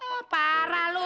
eh parah lo